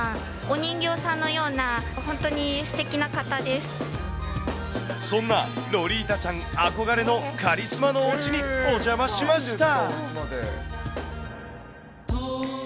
お人形さんのような、本当にすてそんなロリータちゃん憧れのカリスマのおうちにお邪魔しました。